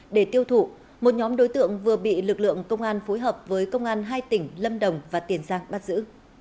để tiêu thụ một nhóm đối tượng vừa bị lực lượng công an phối hợp với công an hai tỉnh lâm đồng và tiền giang bắt giữ